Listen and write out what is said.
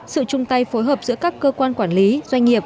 sự chung tay phối hợp giữa các cơ quan quản lý doanh nghiệp